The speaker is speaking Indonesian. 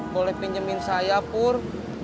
boleh pinjemin saya pur